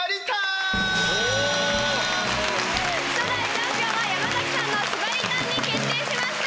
初代チャンピオンは山さんの縛りタンに決定しました！